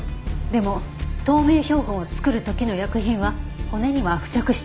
でも透明標本を作る時の薬品は骨には付着していなかった。